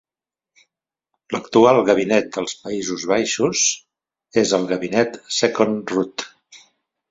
L'actual gabinet dels Països Baixos és el gabinet Second Rutte.